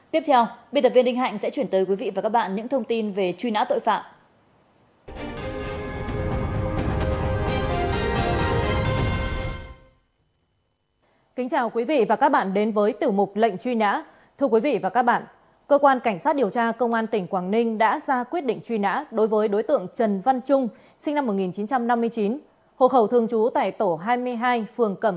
tiếp theo biên tập viên đinh hạnh sẽ chuyển tới quý vị và các bạn những thông tin về truy nã tội phạm